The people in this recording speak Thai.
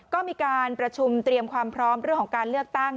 ก็มีการประชุมเตรียมความพร้อมเรื่องของการเลือกตั้ง